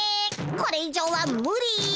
これ以上はむり！